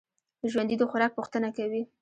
ژوندي د خوراک پوښتنه کوي